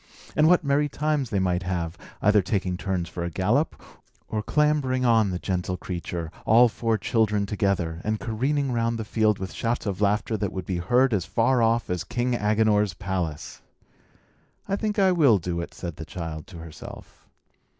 And what merry times they might have, either taking turns for a gallop, or clambering on the gentle creature, all four children together, and careering round the field with shouts of laughter that would be heard as far off as King Agenor's palace! "I think I will do it," said the child to herself.